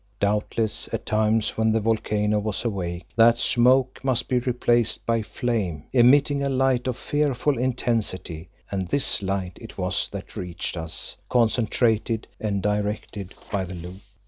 Doubtless, at times when the volcano was awake, that smoke must be replaced by flame, emitting light of fearful intensity, and this light it was that reached us, concentrated and directed by the loop.